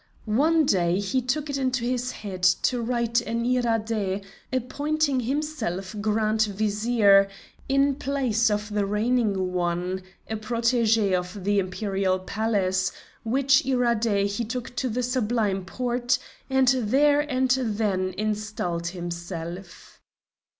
One day he took it into his head to write an Iradé appointing himself Grand Vizier, in place of the reigning one, a protégé of the Imperial Palace, which Iradé he took to the Sublime Porte and there and then installed himself.